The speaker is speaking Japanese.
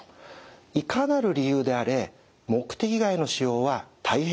いかなる理由であれ目的外の使用は大変危険です。